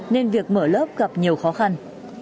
nên việc mở lớp gặp nhiều khó khăn